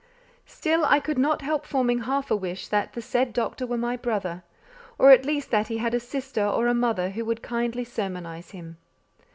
Still, I could not help forming half a wish that the said doctor were my brother; or at least that he had a sister or a mother who would kindly sermonize him.